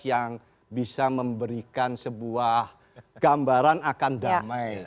yang bisa memberikan sebuah gambaran akan damai